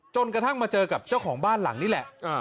จนกระทั่งมาเจอกับเจ้าของบ้านหลังนี้แหละ